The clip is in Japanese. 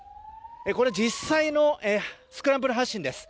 これ実際のスクランブル発進です。